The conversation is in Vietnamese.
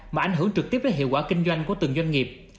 mà ảnh hưởng trực tiếp đến hiệu quả kinh doanh của từng doanh nghiệp